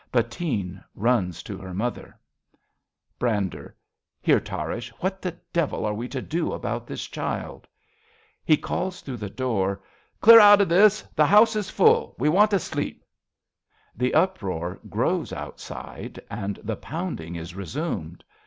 Bettine runs to her mother.) 53 RADA Brander. Here, Tarrasch, what the devil are we to do About this child ? {He calls through the door.) Clear out of this ! The house Is full. We want to sleep. {The uproar grows outside, and the pounding is resumed.